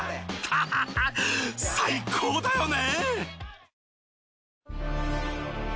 ハハハ最高だよね！